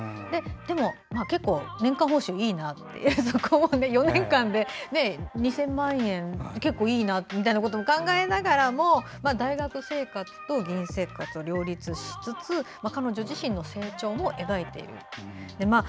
でも、年間報酬はいいなと４年間で２０００万円って結構いいなみたいなことも考えながらも大学生活と議員生活を両立しつつ彼女自身の成長も描いている。